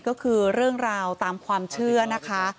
ก็คือเรื่องราวตามความเชื่อนะคะ